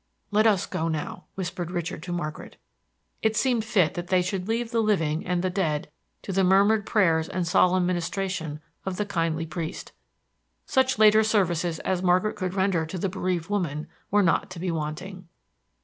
"Let us go now," whispered Richard to Margaret. It seemed fit that they should leave the living and the dead to the murmured prayers and solemn ministration of the kindly priest. Such later services as Margaret could render to the bereaved woman were not to be wanting.